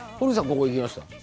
ここ行きました？